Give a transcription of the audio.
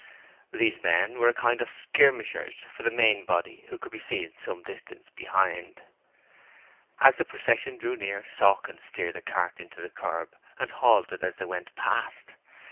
These men were a kind of skirmishers for the main body, which could be seen some distance behind. As the procession drew near, Sawkins steered the cart into the kerb and halted as they went past.